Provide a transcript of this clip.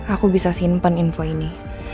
aku bisa simpen info ini